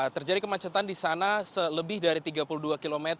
terjadi kemacetan di sana lebih dari tiga puluh dua km